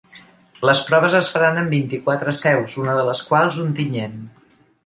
Les proves es faran en vint-i-quatre seus, una de les quals Ontinyent.